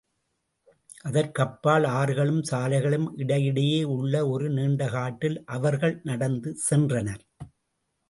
அதற்கு அப்பால் ஆறுகளும் சாலைகளும் இடையிடையே உள்ள ஒரு நீண்ட காட்டில் அவர்கள் நடந்து சென்றனர்.